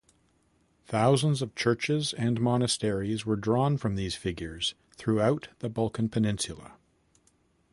Thousands of churches and monasteries were drawn from these figures throughout the Balkan Peninsula.